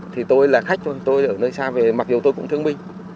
thì tôi là khách thôi tôi ở nơi xa về mặc dù tôi cũng thương binh